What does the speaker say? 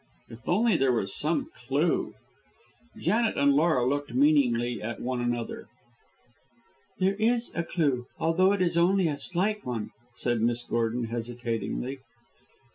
If there was only some clue." Janet and Laura looked meaningly at one another. "There is a clue, although it is only a slight one," said Miss Gordon, hesitatingly.